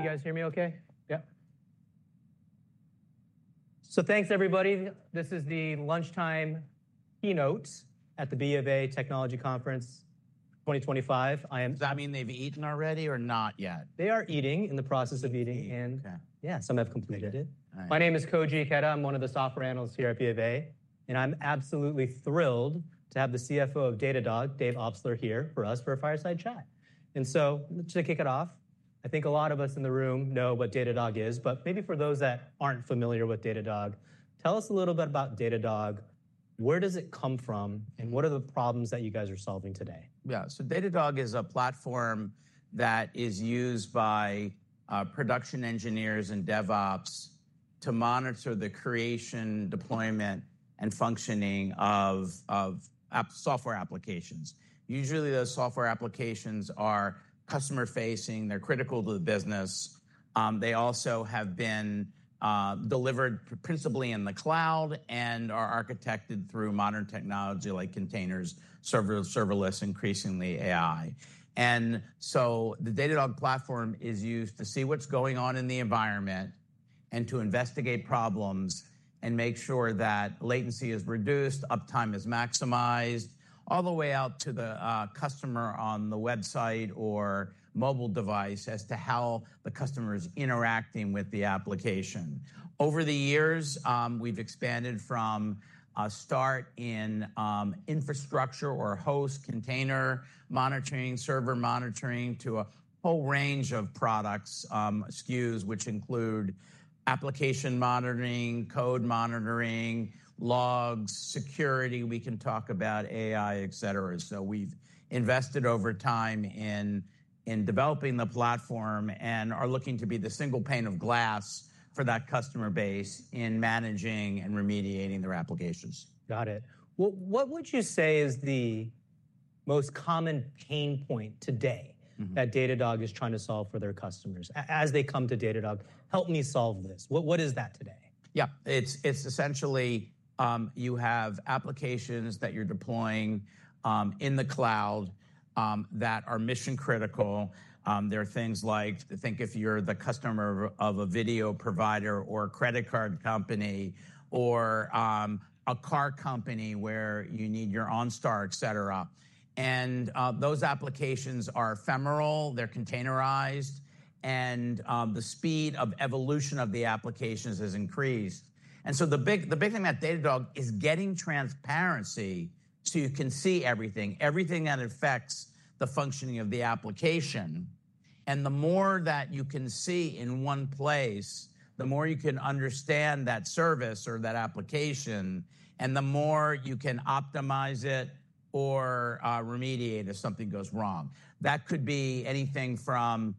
Can you guys hear me okay? Yeah. Thanks, everybody. This is the lunchtime keynote at the B of A Technology Conference 2025. I am. Does that mean they've eaten already or not yet? They are eating, in the process of eating, and yeah, some have completed it. My name is Koji Ikeda. I'm one of the software analysts here at B of A, and I'm absolutely thrilled to have the CFO of Datadog, Dave Obstler, here for us for a fireside chat. To kick it off, I think a lot of us in the room know what Datadog is, but maybe for those that aren't familiar with Datadog, tell us a little bit about Datadog. Where does it come from, and what are the problems that you guys are solving today? Yeah, so Datadog is a platform that is used by production engineers and DevOps to monitor the creation, deployment, and functioning of software applications. Usually, those software applications are customer-facing. They're critical to the business. They also have been delivered principally in the cloud and are architected through modern technology like containers, serverless, increasingly AI. The Datadog platform is used to see what's going on in the environment and to investigate problems and make sure that latency is reduced, uptime is maximized, all the way out to the customer on the website or mobile device as to how the customer is interacting with the application. Over the years, we've expanded from a start in infrastructure or host container monitoring, server monitoring, to a whole range of products, SKUs, which include application monitoring, code monitoring, logs, security. We can talk about AI, et cetera. We've invested over time in developing the platform and are looking to be the single pane of glass for that customer base in managing and remediating their applications. Got it. What would you say is the most common pain point today that Datadog is trying to solve for their customers as they come to Datadog? Help me solve this. What is that today? Yeah, it's essentially you have applications that you're deploying in the cloud that are mission-critical. There are things like, think if you're the customer of a video provider or a credit card company or a car company where you need your OnStar, et cetera. Those applications are ephemeral. They're containerized, and the speed of evolution of the applications has increased. The big thing that Datadog is getting is transparency so you can see everything, everything that affects the functioning of the application. The more that you can see in one place, the more you can understand that service or that application, and the more you can optimize it or remediate if something goes wrong. That could be anything from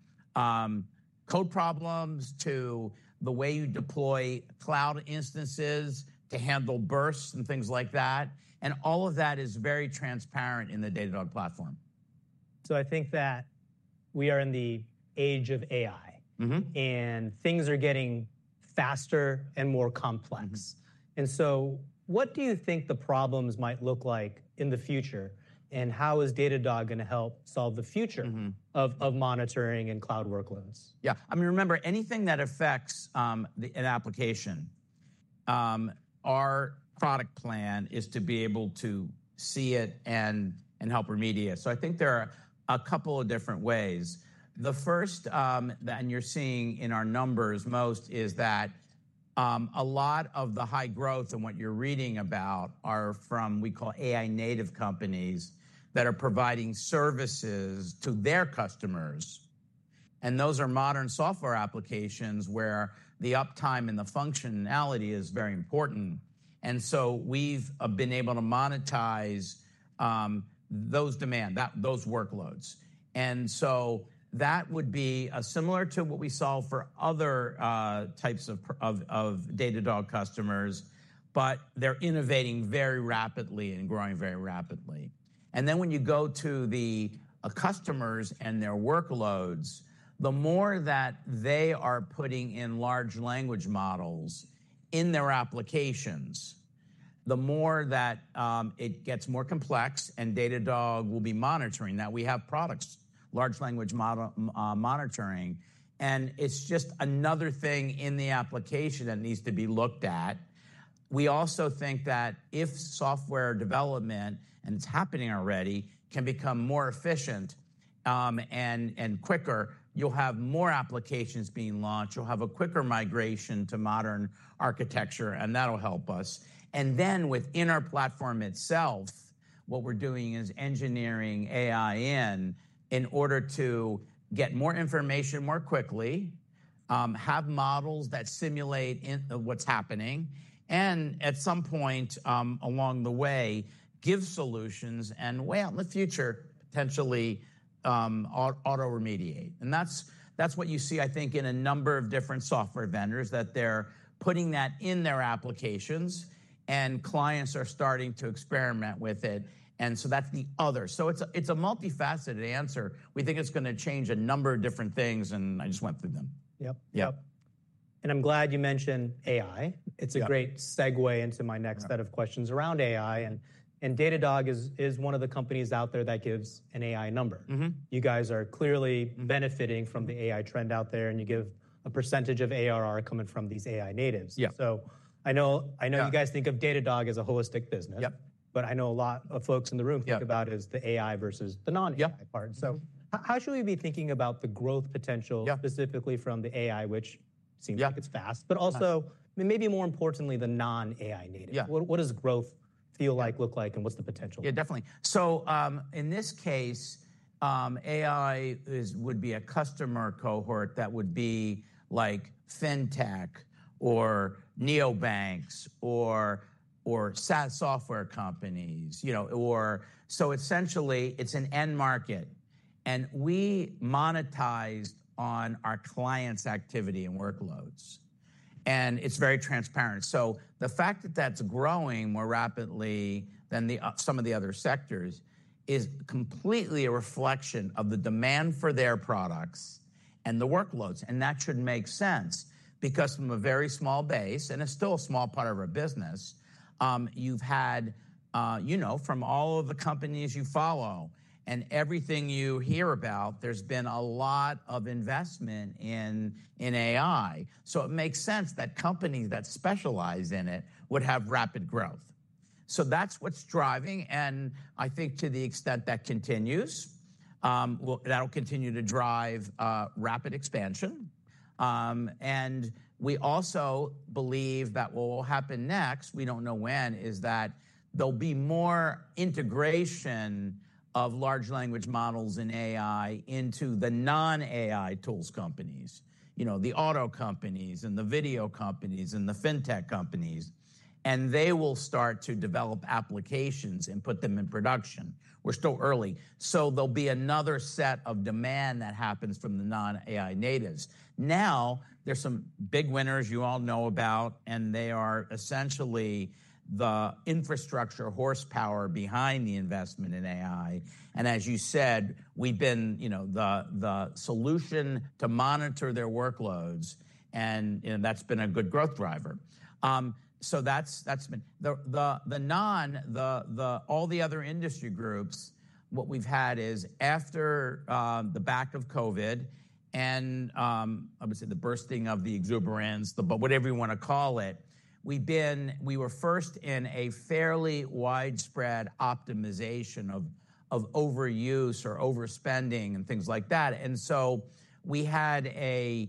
code problems to the way you deploy cloud instances to handle bursts and things like that. All of that is very transparent in the Datadog platform. I think that we are in the age of AI, and things are getting faster and more complex. What do you think the problems might look like in the future, and how is Datadog going to help solve the future of monitoring and cloud workloads? Yeah, I mean, remember, anything that affects an application, our product plan is to be able to see it and help remediate. I think there are a couple of different ways. The first that you're seeing in our numbers most is that a lot of the high growth and what you're reading about are from what we call AI-native companies that are providing services to their customers. Those are modern software applications where the uptime and the functionality is very important. We've been able to monetize those demands, those workloads. That would be similar to what we saw for other types of Datadog customers, but they're innovating very rapidly and growing very rapidly. When you go to the customers and their workloads, the more that they are putting in large language models in their applications, the more that it gets more complex, and Datadog will be monitoring that. We have products, large language model monitoring, and it's just another thing in the application that needs to be looked at. We also think that if software development, and it's happening already, can become more efficient and quicker, you'll have more applications being launched. You'll have a quicker migration to modern architecture, and that'll help us. Within our platform itself, what we're doing is engineering AI in order to get more information more quickly, have models that simulate what's happening, and at some point along the way, give solutions and, in the future, potentially auto-remediate. That is what you see, I think, in a number of different software vendors that they are putting that in their applications, and clients are starting to experiment with it. That is the other. It is a multifaceted answer. We think it is going to change a number of different things, and I just went through them. Yep, yep. I'm glad you mentioned AI. It's a great segue into my next set of questions around AI. Datadog is one of the companies out there that gives an AI number. You guys are clearly benefiting from the AI trend out there, and you give a percentage of ARR coming from these AI natives. I know you guys think of Datadog as a holistic business, but I know a lot of folks in the room think about it as the AI versus the non-AI part. How should we be thinking about the growth potential specifically from the AI, which seems like it's fast, but also, maybe more importantly, the non-AI native? What does growth feel like, look like, and what's the potential? Yeah, definitely. In this case, AI would be a customer cohort that would be like fintech or neobanks or SaaS software companies. Essentially, it is an end market, and we monetize on our clients' activity and workloads. It is very transparent. The fact that that is growing more rapidly than some of the other sectors is completely a reflection of the demand for their products and the workloads. That should make sense because from a very small base, and it is still a small part of our business, you have had, you know, from all of the companies you follow and everything you hear about, there has been a lot of investment in AI. It makes sense that companies that specialize in it would have rapid growth. That is what is driving. I think to the extent that continues, that will continue to drive rapid expansion. We also believe that what will happen next, we do not know when, is that there will be more integration of large language models and AI into the non-AI tools companies, you know, the auto companies and the video companies and the fintech companies. They will start to develop applications and put them in production. We are still early. There will be another set of demand that happens from the non-AI natives. There are some big winners you all know about, and they are essentially the infrastructure horsepower behind the investment in AI. As you said, we have been the solution to monitor their workloads, and that has been a good growth driver. That has been. The non, all the other industry groups, what we've had is after the back of COVID and I would say the bursting of the exuberance, but whatever you want to call it, we were first in a fairly widespread optimization of overuse or overspending and things like that. We had a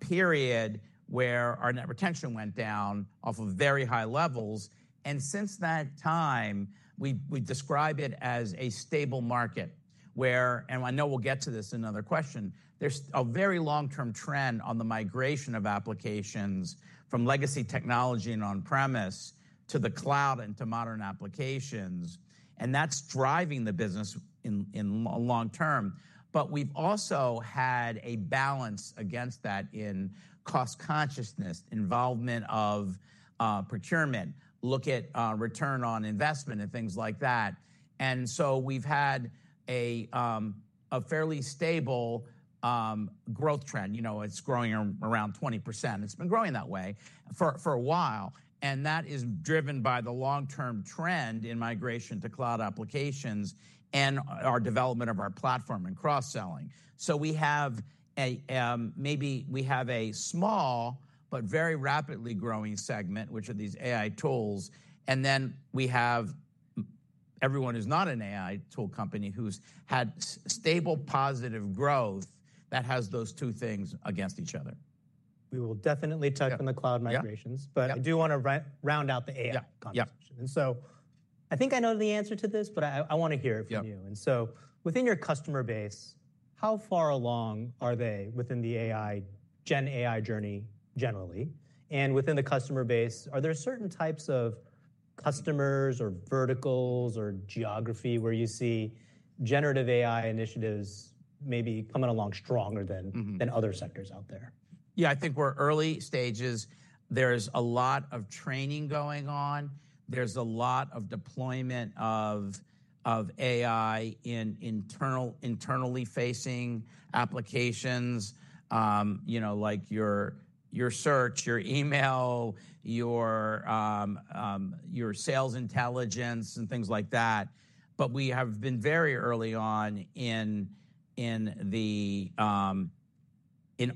period where our net retention went down off of very high levels. Since that time, we describe it as a stable market where, and I know we'll get to this in another question, there's a very long-term trend on the migration of applications from legacy technology and on-premise to the cloud and to modern applications. That's driving the business in long term. We've also had a balance against that in cost consciousness, involvement of procurement, look at return on investment and things like that. We have had a fairly stable growth trend. You know, it's growing around 20%. It's been growing that way for a while. That is driven by the long-term trend in migration to cloud applications and our development of our platform and cross-selling. We have maybe a small but very rapidly growing segment, which are these AI tools. We have everyone who's not an AI tool company who's had stable positive growth that has those two things against each other. We will definitely touch on the cloud migrations, but I do want to round out the AI conversation. I think I know the answer to this, but I want to hear it from you. Within your customer base, how far along are they within the AI, Gen AI journey generally? Within the customer base, are there certain types of customers or verticals or geography where you see generative AI initiatives maybe coming along stronger than other sectors out there? Yeah, I think we're early stages. There's a lot of training going on. There's a lot of deployment of AI in internally facing applications, you know, like your search, your email, your sales intelligence, and things like that. We have been very early on in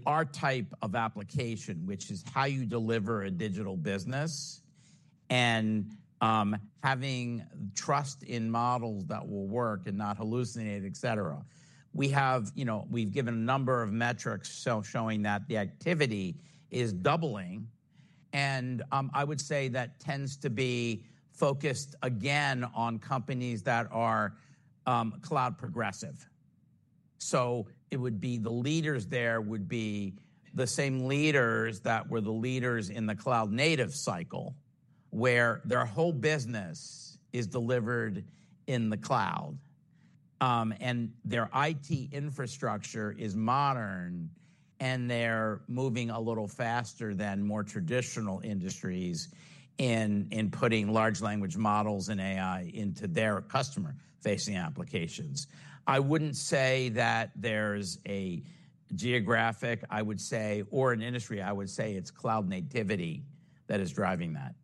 our type of application, which is how you deliver a digital business and having trust in models that will work and not hallucinate, et cetera. We've given a number of metrics showing that the activity is doubling. I would say that tends to be focused again on companies that are cloud progressive. The leaders there would be the same leaders that were the leaders in the cloud-native cycle where their whole business is delivered in the cloud. Their IT infrastructure is modern, and they're moving a little faster than more traditional industries in putting large language models and AI into their customer-facing applications. I wouldn't say that there's a geographic, I would say, or an industry, I would say it's cloud nativity that is driving that.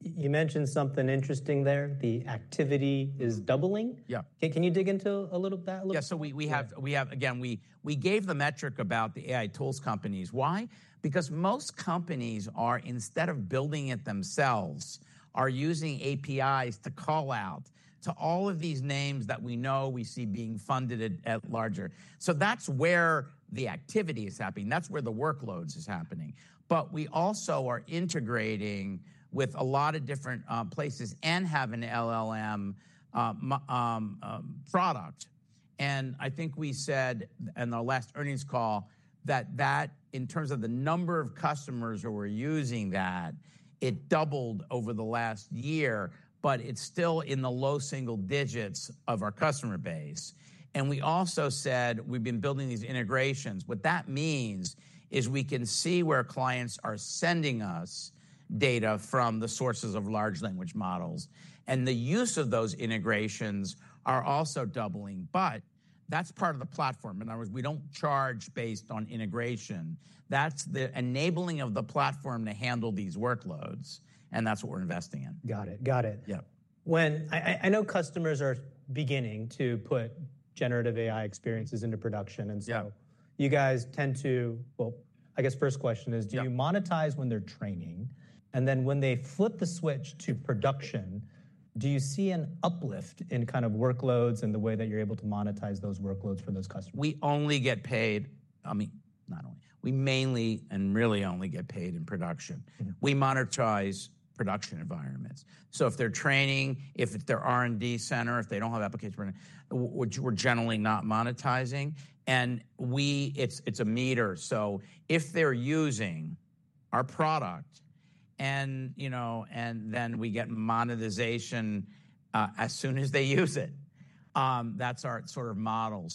You mentioned something interesting there. The activity is doubling. Can you dig into it a little bit? Yeah, so we have, again, we gave the metric about the AI tools companies. Why? Because most companies are, instead of building it themselves, using APIs to call out to all of these names that we know we see being funded at larger. That is where the activity is happening. That is where the workloads are happening. We also are integrating with a lot of different places and have an LLM product. I think we said in our last earnings call that that, in terms of the number of customers who are using that, it doubled over the last year, but it is still in the low single digits of our customer base. We also said we have been building these integrations. What that means is we can see where clients are sending us data from the sources of large language models. The use of those integrations is also doubling. That is part of the platform. In other words, we do not charge based on integration. That is the enabling of the platform to handle these workloads, and that is what we are investing in. Got it, got it. I know customers are beginning to put generative AI experiences into production. You guys tend to, I guess first question is, do you monetize when they're training? When they flip the switch to production, do you see an uplift in kind of workloads and the way that you're able to monetize those workloads for those customers? We only get paid, I mean, not only, we mainly and really only get paid in production. We monetize production environments. If they're training, if they're R&D center, if they don't have applications, we're generally not monetizing. It's a meter. If they're using our product, then we get monetization as soon as they use it. That's our sort of model.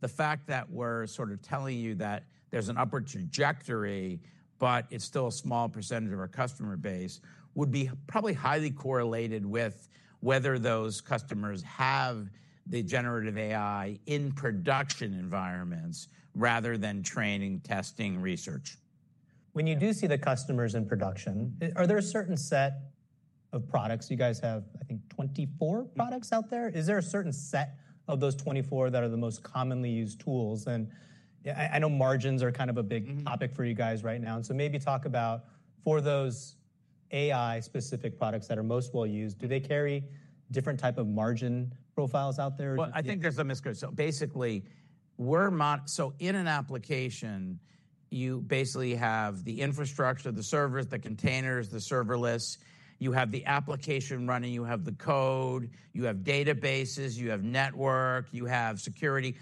The fact that we're sort of telling you that there's an upward trajectory, but it's still a small percentage of our customer base, would be probably highly correlated with whether those customers have the generative AI in production environments rather than training, testing, research. When you do see the customers in production, are there a certain set of products? You guys have, I think, 24 products out there. Is there a certain set of those 24 that are the most commonly used tools? I know margins are kind of a big topic for you guys right now. Maybe talk about for those AI-specific products that are most well used, do they carry different types of margin profiles out there? I think there's a misconception. Basically, in an application, you basically have the infrastructure, the servers, the containers, the serverless. You have the application running, you have the code, you have databases, you have network, you have security.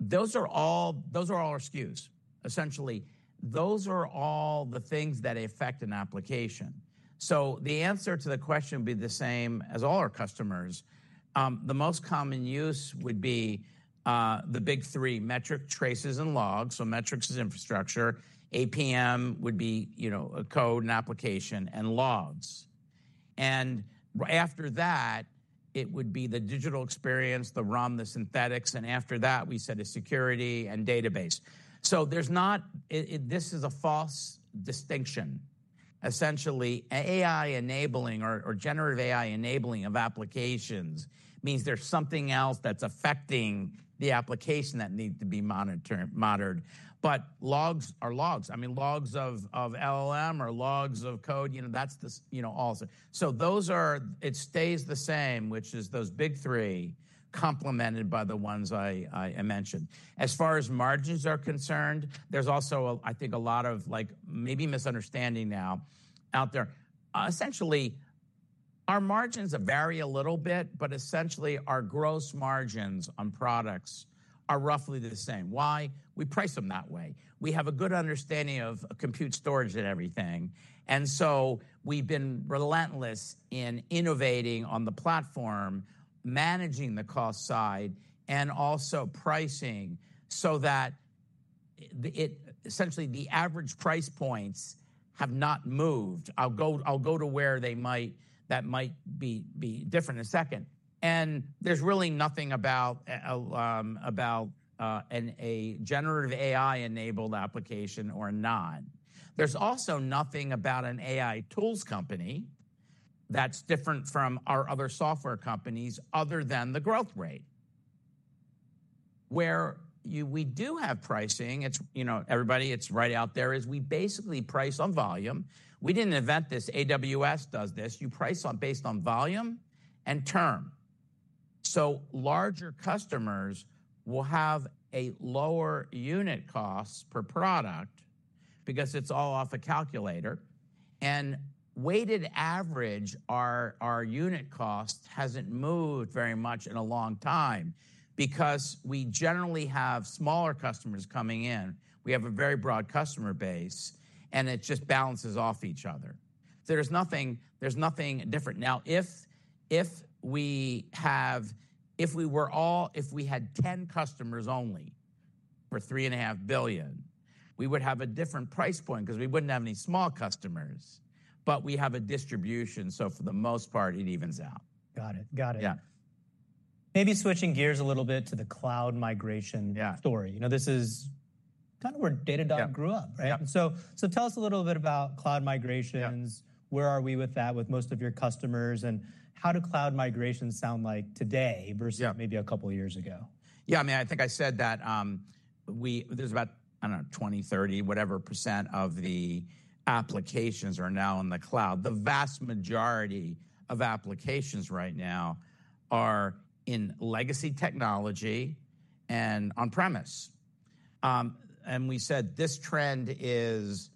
Those are all our SKUs, essentially. Those are all the things that affect an application. The answer to the question would be the same as all our customers. The most common use would be the big three metrics, traces, and logs. Metrics is infrastructure. APM would be code and application and logs. After that, it would be the digital experience, the RUM, the synthetics. After that, we said it's security and database. This is a false distinction. Essentially, AI enabling or generative AI enabling of applications means there's something else that's affecting the application that needs to be monitored. Logs are logs. I mean, logs of LLM or logs of code, you know, that's all. Those are, it stays the same, which is those big three complemented by the ones I mentioned. As far as margins are concerned, there's also, I think, a lot of maybe misunderstanding now out there. Essentially, our margins vary a little bit, but essentially, our gross margins on products are roughly the same. Why? We price them that way. We have a good understanding of compute, storage, and everything. We've been relentless in innovating on the platform, managing the cost side, and also pricing so that essentially the average price points have not moved. I'll go to where that might be different in a second. There's really nothing about a generative AI-enabled application or a non. There's also nothing about an AI tools company that's different from our other software companies other than the growth rate. Where we do have pricing, everybody, it's right out there, is we basically price on volume. We didn't invent this. AWS does this. You price based on volume and term. Larger customers will have a lower unit cost per product because it's all off a calculator. And weighted average, our unit cost hasn't moved very much in a long time because we generally have smaller customers coming in. We have a very broad customer base, and it just balances off each other. There's nothing different. Now, if we were all, if we had 10 customers only for $3.5 billion, we would have a different price point because we wouldn't have any small customers. But we have a distribution. So for the most part, it evens out. Got it, got it. Maybe switching gears a little bit to the cloud migration story. This is kind of where Datadog grew up, right? Tell us a little bit about cloud migrations. Where are we with that with most of your customers? How do cloud migrations sound like today versus maybe a couple of years ago? Yeah, I mean, I think I said that there's about, I don't know, 20-30% of the applications are now in the cloud. The vast majority of applications right now are in legacy technology and on-premise. We said this trend is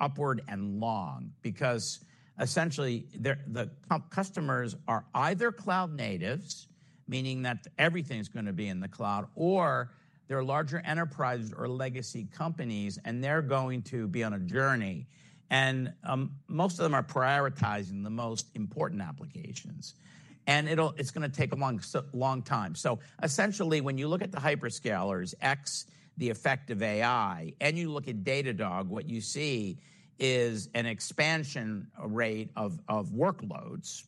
upward and long because essentially the customers are either cloud natives, meaning that everything's going to be in the cloud, or they're larger enterprises or legacy companies, and they're going to be on a journey. Most of them are prioritizing the most important applications. It's going to take a long time. Essentially, when you look at the hyperscalers, X, the effect of AI, and you look at Datadog, what you see is an expansion rate of workloads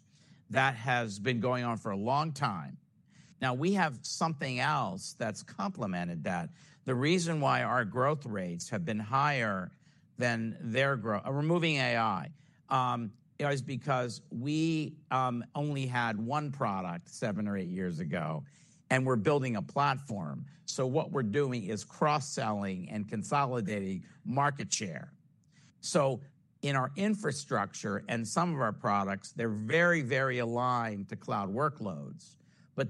that has been going on for a long time. Now, we have something else that's complemented that. The reason why our growth rates have been higher than their growth, we're moving AI, is because we only had one product seven or eight years ago, and we're building a platform. What we're doing is cross-selling and consolidating market share. In our infrastructure and some of our products, they're very, very aligned to cloud workloads.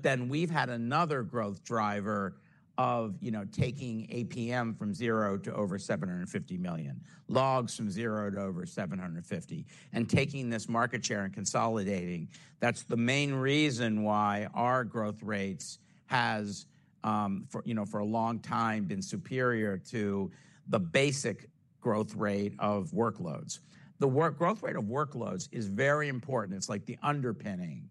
Then we've had another growth driver of taking APM from zero to over $750 million, logs from zero to over $750 million, and taking this market share and consolidating. That's the main reason why our growth rates have for a long time been superior to the basic growth rate of workloads. The growth rate of workloads is very important. It's like the underpinning,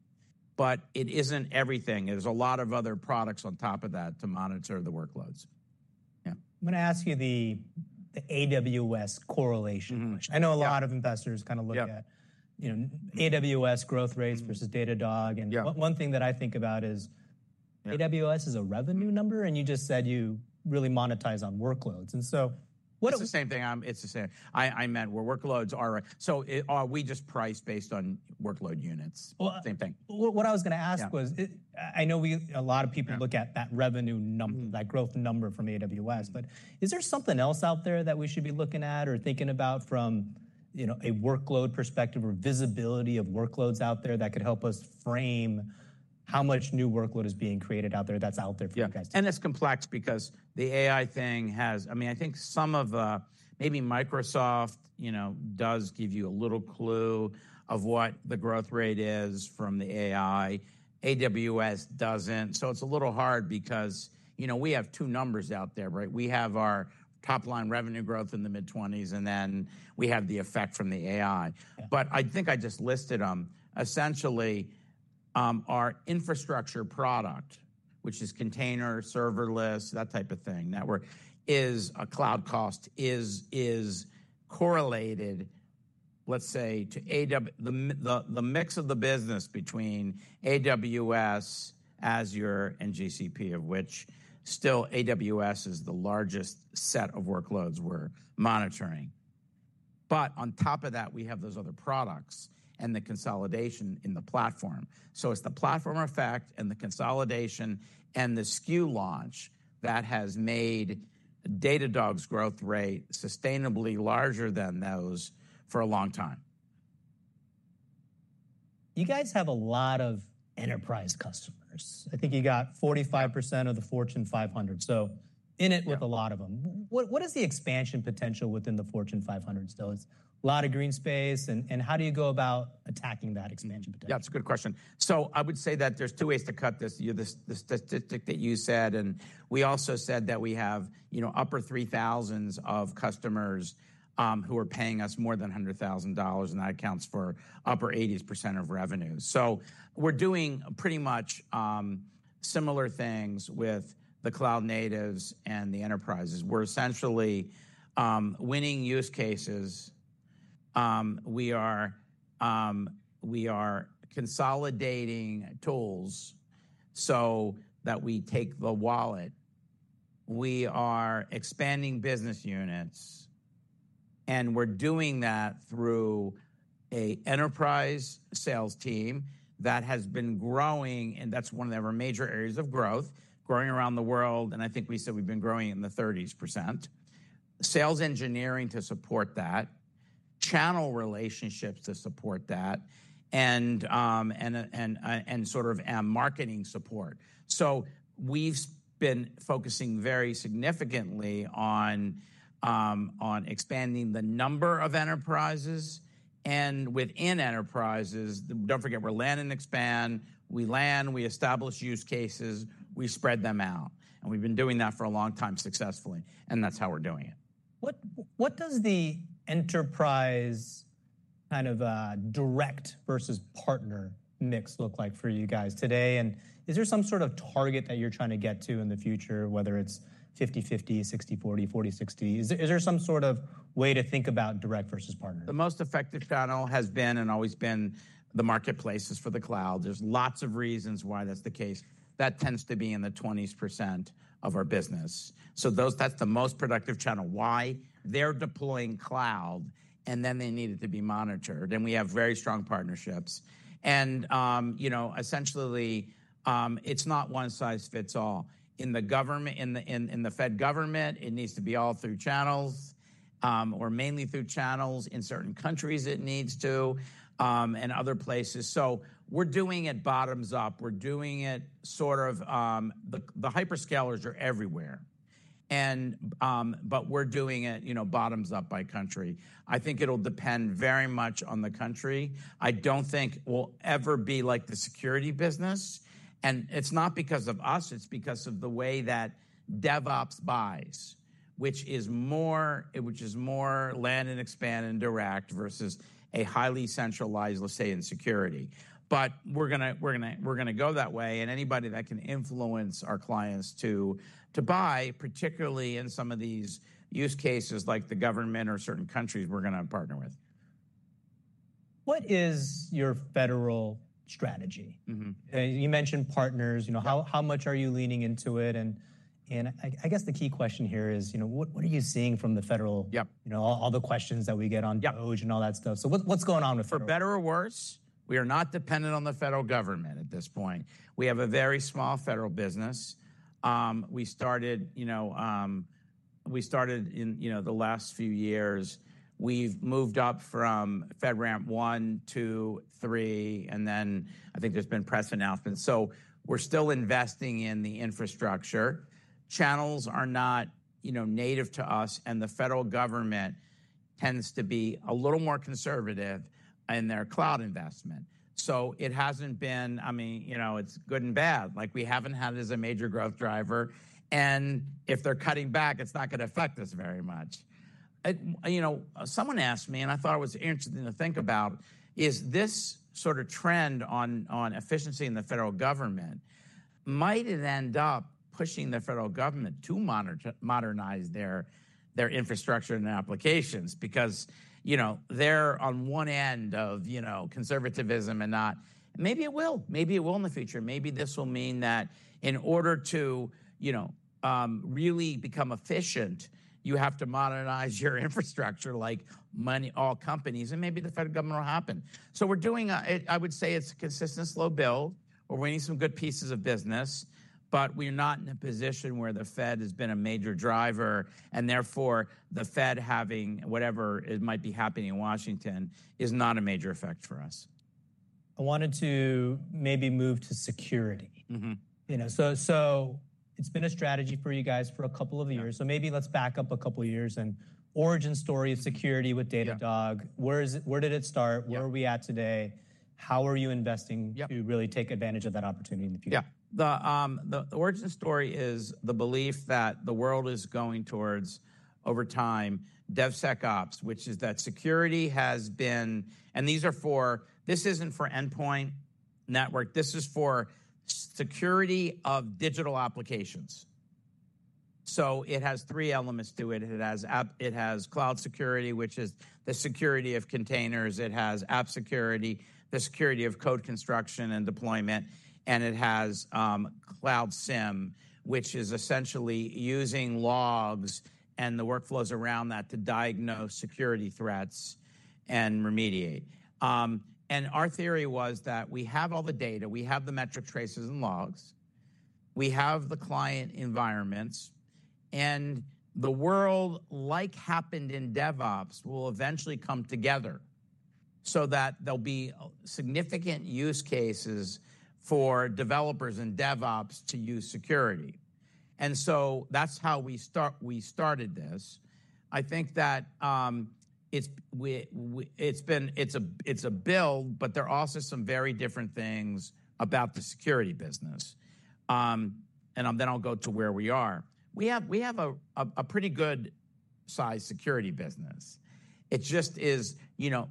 but it isn't everything. There's a lot of other products on top of that to monitor the workloads. Yeah. I'm going to ask you the AWS correlation. I know a lot of investors kind of look at AWS growth rates versus Datadog. One thing that I think about is AWS is a revenue number, and you just said you really monetize on workloads. What? It's the same thing. It's the same. I meant where workloads are. Are we just priced based on workload units? Same thing. What I was going to ask was, I know a lot of people look at that revenue number, that growth number from AWS, but is there something else out there that we should be looking at or thinking about from a workload perspective or visibility of workloads out there that could help us frame how much new workload is being created out there that's out there for you guys? Yeah. And it's complex because the AI thing has, I mean, I think some of maybe Microsoft does give you a little clue of what the growth rate is from the AI. AWS doesn't. It's a little hard because we have two numbers out there, right? We have our top-line revenue growth in the mid-20s, and then we have the effect from the AI. I think I just listed them. Essentially, our infrastructure product, which is container, serverless, that type of thing, network, is a cloud cost, is correlated, let's say, to the mix of the business between AWS, Azure, and GCP, of which still AWS is the largest set of workloads we're monitoring. On top of that, we have those other products and the consolidation in the platform. It's the platform effect and the consolidation and the SKU launch that has made Datadog's growth rate sustainably larger than those for a long time. You guys have a lot of enterprise customers. I think you got 45% of the Fortune 500, so in it with a lot of them. What is the expansion potential within the Fortune 500 still? It's a lot of green space. How do you go about attacking that expansion potential? Yeah, that's a good question. I would say that there's two ways to cut this. You have this statistic that you said, and we also said that we have upper 3,000s of customers who are paying us more than $100,000, and that accounts for upper 80s % of revenue. We're doing pretty much similar things with the cloud natives and the enterprises. We're essentially winning use cases. We are consolidating tools so that we take the wallet. We are expanding business units, and we're doing that through an enterprise sales team that has been growing, and that's one of our major areas of growth, growing around the world. I think we said we've been growing in the 30s %. Sales engineering to support that, channel relationships to support that, and sort of marketing support. We've been focusing very significantly on expanding the number of enterprises. Within enterprises, do not forget, we are land and expand. We land, we establish use cases, we spread them out. We have been doing that for a long time successfully, and that is how we are doing it. What does the enterprise kind of direct versus partner mix look like for you guys today? Is there some sort of target that you're trying to get to in the future, whether it's 50-50, 60-40, 40-60? Is there some sort of way to think about direct versus partner? The most effective channel has been and always been the marketplaces for the cloud. There's lots of reasons why that's the case. That tends to be in the 20% of our business. That's the most productive channel. Why? They're deploying cloud, and then they need it to be monitored. We have very strong partnerships. Essentially, it's not one size fits all. In the government, in the Fed government, it needs to be all through channels or mainly through channels. In certain countries it needs to, and other places. We're doing it bottoms up. We're doing it sort of, the hyperscalers are everywhere. We're doing it bottoms up by country. I think it'll depend very much on the country. I don't think we'll ever be like the security business. It's not because of us. It's because of the way that DevOps buys, which is more land and expand and direct versus a highly centralized, let's say, in security. We are going to go that way. Anybody that can influence our clients to buy, particularly in some of these use cases like the government or certain countries, we are going to partner with. What is your federal strategy? You mentioned partners. How much are you leaning into it? I guess the key question here is, what are you seeing from the federal, all the questions that we get on Datadog and all that stuff? What is going on with federal? For better or worse, we are not dependent on the federal government at this point. We have a very small federal business. We started in the last few years. We've moved up from FedRAMP 1, 2, 3, and then I think there's been press announcements. We are still investing in the infrastructure. Channels are not native to us, and the federal government tends to be a little more conservative in their cloud investment. It hasn't been, I mean, it's good and bad. We haven't had it as a major growth driver. If they're cutting back, it's not going to affect us very much. Someone asked me, and I thought it was interesting to think about, is this sort of trend on efficiency in the federal government, might it end up pushing the federal government to modernize their infrastructure and applications? Because they're on one end of conservatism and not, maybe it will. Maybe it will in the future. Maybe this will mean that in order to really become efficient, you have to modernize your infrastructure like all companies, and maybe the federal government will happen. We're doing, I would say, it's a consistent slow build, or we need some good pieces of business, but we're not in a position where the Fed has been a major driver, and therefore the Fed having whatever it might be happening in Washington is not a major effect for us. I wanted to maybe move to security. It's been a strategy for you guys for a couple of years. Maybe let's back up a couple of years and origin story of security with Datadog. Where did it start? Where are we at today? How are you investing to really take advantage of that opportunity in the future? Yeah. The origin story is the belief that the world is going towards, over time, DevSecOps, which is that security has been, and these are for, this isn't for endpoint network. This is for security of digital applications. It has three elements to it. It has cloud security, which is the security of containers. It has app security, the security of code construction and deployment. It has cloud SIEM, which is essentially using logs and the workflows around that to diagnose security threats and remediate. Our theory was that we have all the data, we have the metric traces and logs, we have the client environments, and the world like happened in DevOps will eventually come together so that there will be significant use cases for developers in DevOps to use security. That is how we started this. I think that it's a build, but there are also some very different things about the security business. Then I'll go to where we are. We have a pretty good size security business. It just is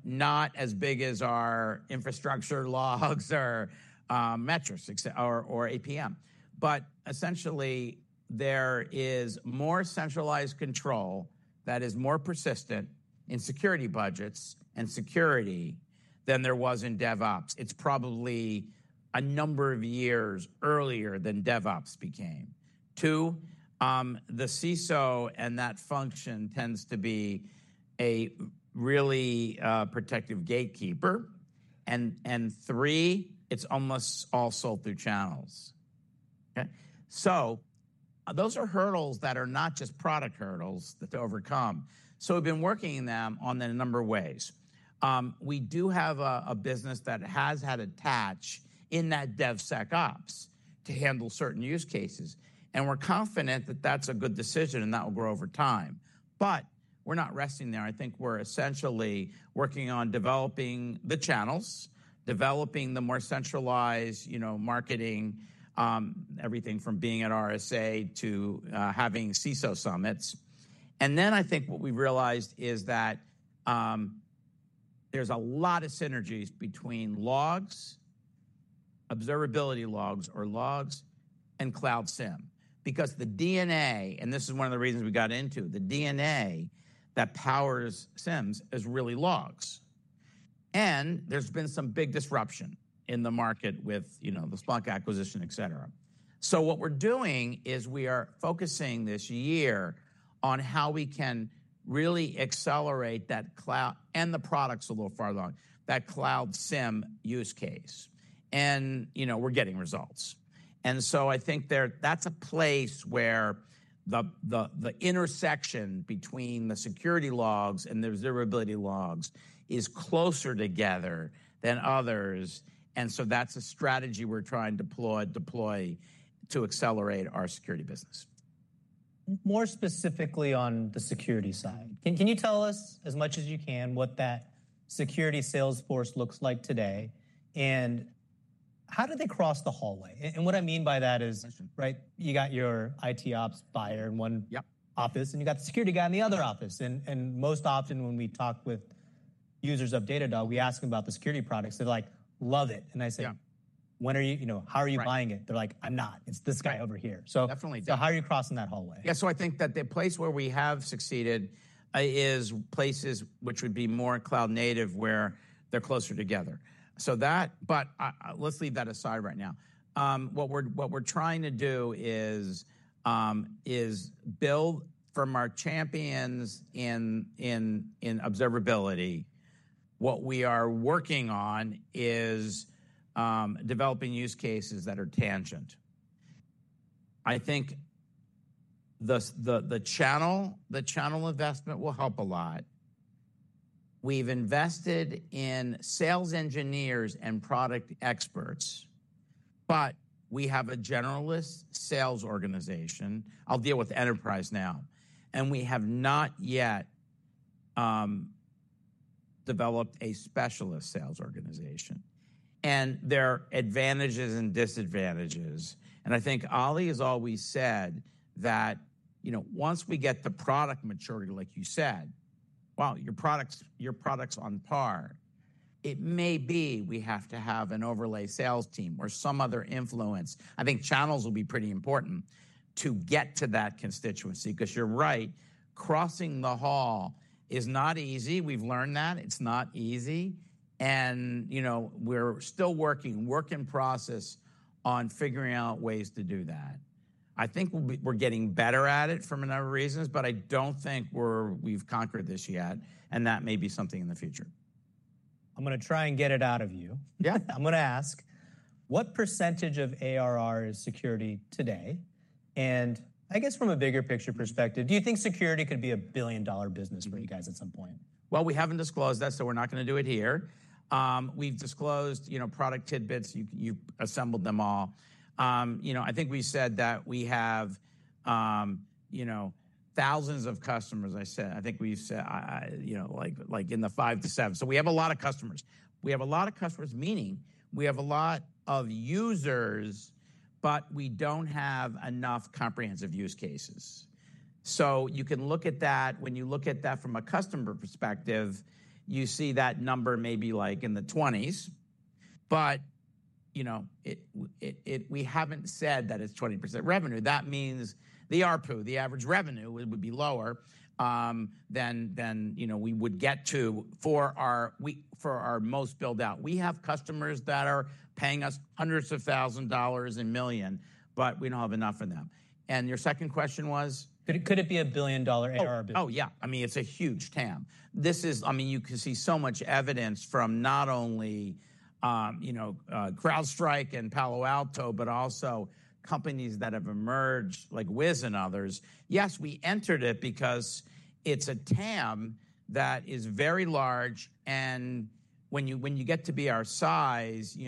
not as big as our infrastructure, logs, or metrics, or APM. Essentially, there is more centralized control that is more persistent in security budgets and security than there was in DevOps. It's probably a number of years earlier than DevOps became. Two, the CISO and that function tends to be a really protective gatekeeper. Three, it's almost all sold through channels. Okay? Those are hurdles that are not just product hurdles to overcome. We've been working on them in a number of ways. We do have a business that has had a patch in that DevSecOps to handle certain use cases. We're confident that that's a good decision and that will grow over time. We're not resting there. I think we're essentially working on developing the channels, developing the more centralized marketing, everything from being at RSA to having CISO summits. I think what we've realized is that there's a lot of synergies between logs, observability logs or logs, and cloud SIEM. The DNA, and this is one of the reasons we got into it, the DNA that powers SIEMs is really logs. There's been some big disruption in the market with the Splunk acquisition, et cetera. What we're doing is we are focusing this year on how we can really accelerate that cloud and the products a little further on, that cloud SIEM use case. We're getting results. I think that's a place where the intersection between the security logs and the observability logs is closer together than others. That's a strategy we're trying to deploy to accelerate our security business. More specifically on the security side, can you tell us as much as you can what that security salesforce looks like today? How do they cross the hallway? What I mean by that is, right, you got your IT ops buyer in one office, and you got the security guy in the other office. Most often when we talk with users of Datadog, we ask them about the security products. They're like, "Love it." I say, "When are you, how are you buying it?" They're like, "I'm not. It's this guy over here." How are you crossing that hallway? Yeah. I think that the place where we have succeeded is places which would be more cloud native where they're closer together. That, but let's leave that aside right now. What we're trying to do is build from our champions in observability. What we are working on is developing use cases that are tangent. I think the channel investment will help a lot. We've invested in sales engineers and product experts, but we have a generalist sales organization. I'll deal with enterprise now. We have not yet developed a specialist sales organization. There are advantages and disadvantages. I think Ali has always said that once we get the product maturity, like you said, wow, your product's on par. It may be we have to have an overlay sales team or some other influence. I think channels will be pretty important to get to that constituency. Because you're right, crossing the hall is not easy. We've learned that. It's not easy. We're still working, work in process on figuring out ways to do that. I think we're getting better at it for a number of reasons, but I don't think we've conquered this yet. That may be something in the future. I'm going to try and get it out of you. Yeah. I'm going to ask, what percentage of ARR is security today? I guess from a bigger picture perspective, do you think security could be a billion-dollar business for you guys at some point? We have not disclosed that, so we are not going to do it here. We have disclosed product tidbits. You have assembled them all. I think we said that we have thousands of customers, I said. I think we said like in the five to seven. We have a lot of customers, meaning we have a lot of users, but we do not have enough comprehensive use cases. You can look at that. When you look at that from a customer perspective, you see that number may be like in the 20s. We have not said that it is 20% revenue. That means the ARPU, the average revenue, would be lower than we would get to for our most build-out. We have customers that are paying us hundreds of thousand dollars and millions, but we do not have enough of them. Your second question was? Could it be a billion-dollar ARR business? Oh, yeah. I mean, it's a huge TAM. This is, I mean, you can see so much evidence from not only CrowdStrike and Palo Alto, but also companies that have emerged like Wiz and others. Yes, we entered it because it's a TAM that is very large. When you get to be our size,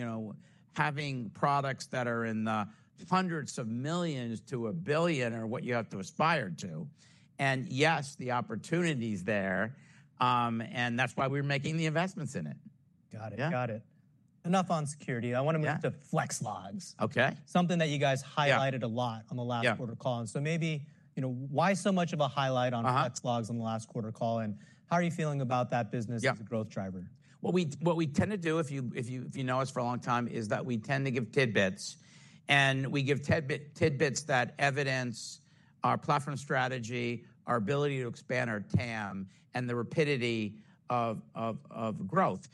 having products that are in the hundreds of millions to a billion are what you have to aspire to. Yes, the opportunity is there. That's why we're making the investments in it. Got it. Got it. Enough on security. I want to move to Flex Logs. Okay. Something that you guys highlighted a lot on the last quarter call. Maybe why so much of a highlight on Flex Logs on the last quarter call? How are you feeling about that business as a growth driver? What we tend to do, if you know us for a long time, is that we tend to give tidbits. We give tidbits that evidence our platform strategy, our ability to expand our TAM, and the rapidity of growth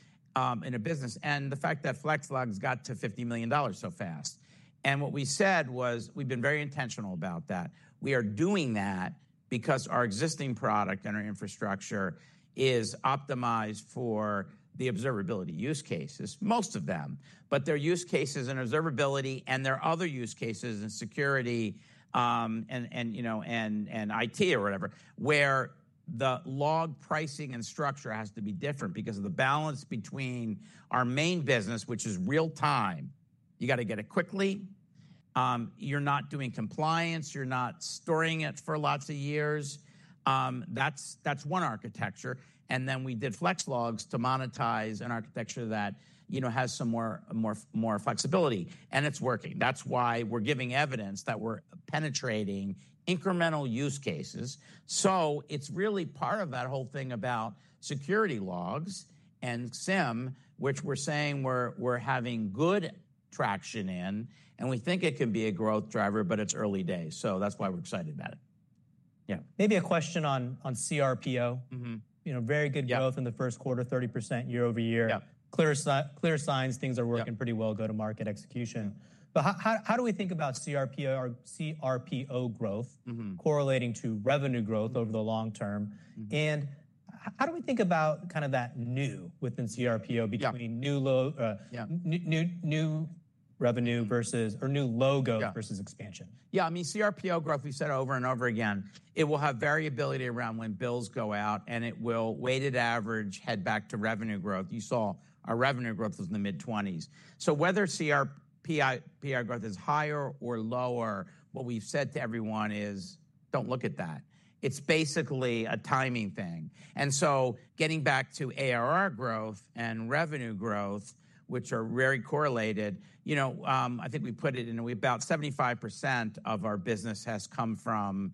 in a business. The fact that Flex Logs got to $50 million so fast. What we said was we've been very intentional about that. We are doing that because our existing product and our infrastructure is optimized for the observability use cases, most of them. There are use cases in observability and there are other use cases in security and IT or whatever, where the log pricing and structure has to be different because of the balance between our main business, which is real time. You got to get it quickly. You're not doing compliance. You're not storing it for lots of years. That's one architecture. We did Flex Logs to monetize an architecture that has some more flexibility. It is working. That is why we are giving evidence that we are penetrating incremental use cases. It is really part of that whole thing about security logs and SIEM, which we are saying we are having good traction in. We think it can be a growth driver, but it is early days. That is why we are excited about it. Yeah. Maybe a question on CRPO. Very good growth in the first quarter, 30% year over year. Clear signs, things are working pretty well, go to market execution. How do we think about CRPO growth correlating to revenue growth over the long term? How do we think about kind of that new within CRPO between new revenue versus or new logo versus expansion? Yeah. I mean, CRPO growth, we've said over and over again, it will have variability around when bills go out, and it will weighted average head back to revenue growth. You saw our revenue growth was in the mid-20s. Whether CRPO growth is higher or lower, what we've said to everyone is don't look at that. It's basically a timing thing. Getting back to ARR growth and revenue growth, which are very correlated, I think we put it in about 75% of our business has come from,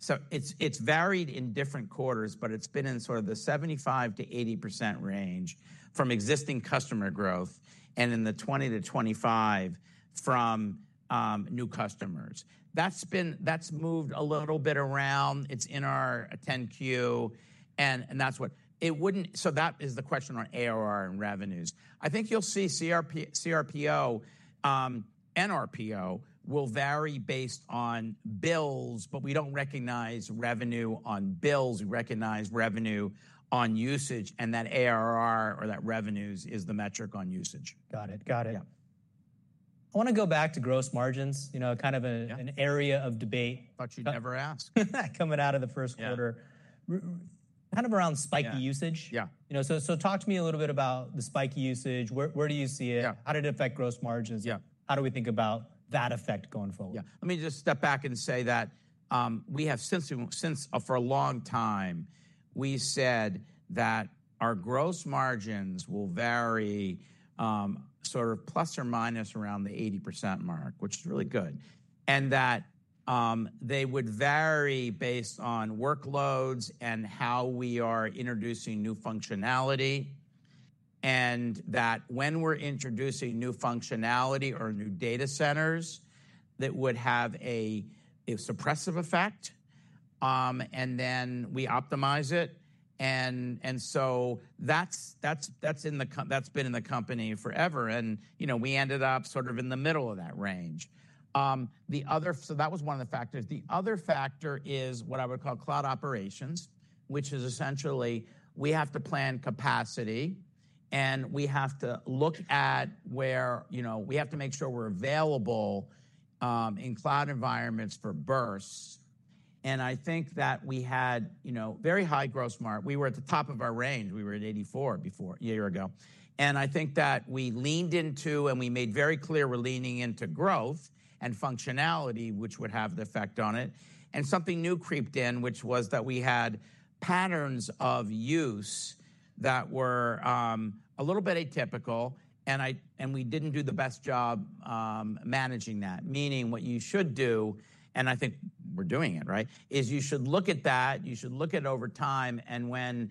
so it's varied in different quarters, but it's been in sort of the 75%-80% range from existing customer growth and in the 20%-25% from new customers. That's moved a little bit around. It's in our 10Q. That's what it wouldn't, so that is the question on ARR and revenues. I think you'll see CRPO, NRPO will vary based on bills, but we don't recognize revenue on bills. We recognize revenue on usage. That ARR or that revenue is the metric on usage. Got it. Got it. I want to go back to gross margins, kind of an area of debate. Thought you'd never ask. Coming out of the first quarter, kind of around spiky usage. Yeah. Talk to me a little bit about the spiky usage. Where do you see it? How did it affect gross margins? How do we think about that effect going forward? Yeah. Let me just step back and say that we have since for a long time, we said that our gross margins will vary sort of plus or minus around the 80% mark, which is really good. That they would vary based on workloads and how we are introducing new functionality. That when we're introducing new functionality or new data centers, that would have a suppressive effect. Then we optimize it. That has been in the company forever. We ended up sort of in the middle of that range. That was one of the factors. The other factor is what I would call cloud operations, which is essentially we have to plan capacity. We have to look at where we have to make sure we're available in cloud environments for bursts. I think that we had very high gross mark. We were at the top of our range. We were at 84 a year ago. I think that we leaned into and we made very clear we're leaning into growth and functionality, which would have the effect on it. Something new creeped in, which was that we had patterns of use that were a little bit atypical. We did not do the best job managing that. Meaning what you should do, and I think we're doing it, right, is you should look at that. You should look at over time and when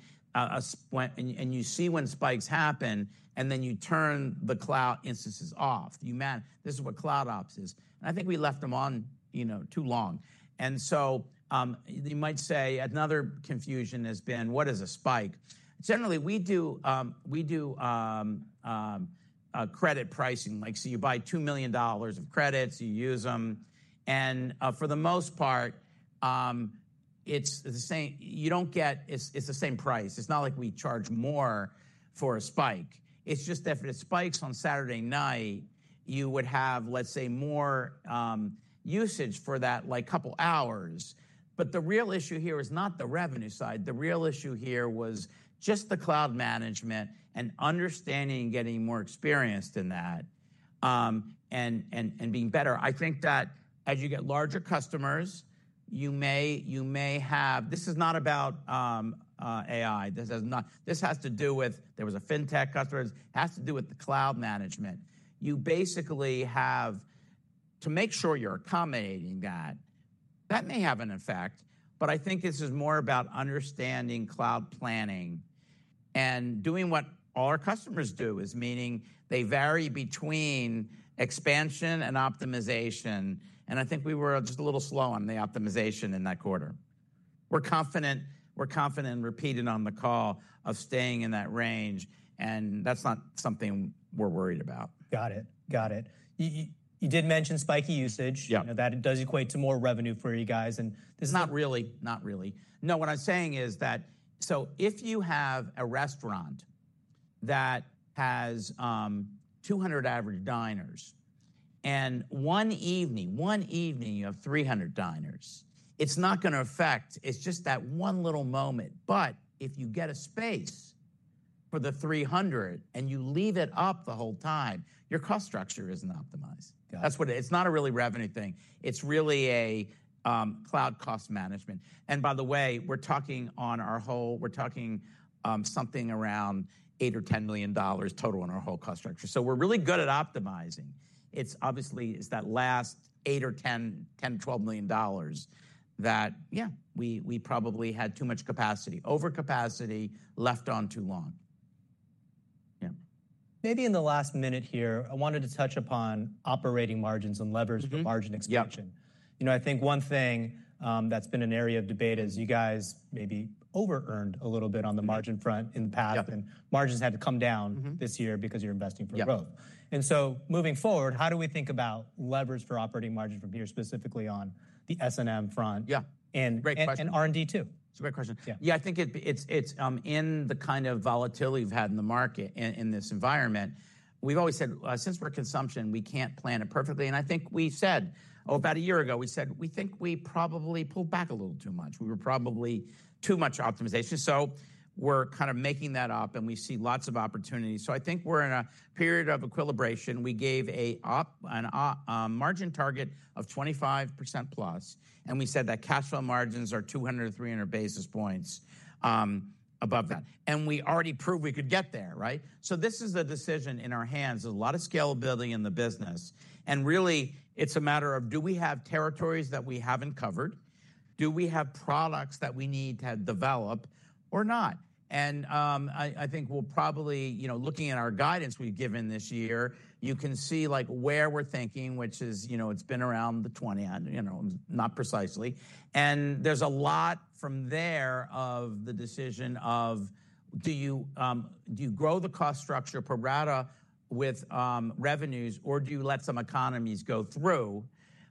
you see when spikes happen, you turn the cloud instances off. This is what cloud ops is. I think we left them on too long. You might say another confusion has been, what is a spike? Generally, we do credit pricing. You buy $2 million of credits. You use them. For the most part, it's the same. You don't get it's the same price. It's not like we charge more for a spike. It's just that if it spikes on Saturday night, you would have, let's say, more usage for that couple hours. The real issue here is not the revenue side. The real issue here was just the cloud management and understanding and getting more experienced in that and being better. I think that as you get larger customers, you may have this is not about AI. This has to do with there was a fintech customer. It has to do with the cloud management. You basically have to make sure you're accommodating that. That may have an effect. I think this is more about understanding cloud planning and doing what all our customers do, meaning they vary between expansion and optimization. I think we were just a little slow on the optimization in that quarter. We're confident and repeated on the call of staying in that range. That's not something we're worried about. Got it. Got it. You did mention spiky usage. That does equate to more revenue for you guys. This is not really. Not really. No. What I'm saying is that if you have a restaurant that has 200 average diners and one evening, one evening you have 300 diners, it's not going to affect. It's just that one little moment. If you get a space for the 300 and you leave it up the whole time, your cost structure isn't optimized. It's not really a revenue thing. It's really a cloud cost management. By the way, we're talking on our whole, we're talking something around $8 million or $10 million total on our whole cost structure. We're really good at optimizing. It's obviously that last $8 million or $10 million, $12 million that, yeah, we probably had too much capacity. Overcapacity left on too long. Yeah. Maybe in the last minute here, I wanted to touch upon operating margins and levers for margin expansion. I think one thing that's been an area of debate is you guys maybe over-earned a little bit on the margin front in the past. Margins had to come down this year because you're investing for growth. Moving forward, how do we think about levers for operating margins from here specifically on the S&M front and R&D too? It's a great question. Yeah. I think it's in the kind of volatility we've had in the market in this environment. We've always said since we're consumption, we can't plan it perfectly. I think we said about a year ago, we said we think we probably pulled back a little too much. We were probably too much optimization. We're kind of making that up. We see lots of opportunity. I think we're in a period of equilibration. We gave a margin target of 25% plus. We said that cash flow margins are 200-300 basis points above that. We already proved we could get there, right? This is a decision in our hands. There's a lot of scalability in the business. Really, it's a matter of do we have territories that we haven't covered? Do we have products that we need to develop or not? I think we'll probably, looking at our guidance we've given this year, you can see where we're thinking, which is it's been around the 20, not precisely. There is a lot from there of the decision of do you grow the cost structure pro rata with revenues, or do you let some economies go through?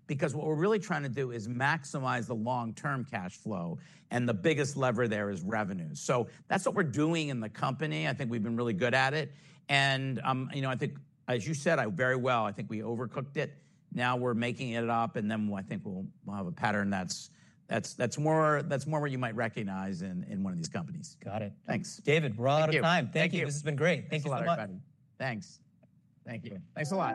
What we're really trying to do is maximize the long-term cash flow. The biggest lever there is revenue. That is what we're doing in the company. I think we've been really good at it. I think, as you said very well, I think we overcooked it. Now we're making it up. I think we'll have a pattern that's more where you might recognize in one of these companies. Got it. Thanks. David, we're out of time. Thank you. This has been great. Thank you a lot, buddy. Thanks. Thank you. Thanks a lot.